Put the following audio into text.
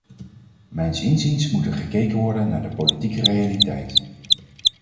Mijns inziens moet er gekeken worden naar de politieke realiteit.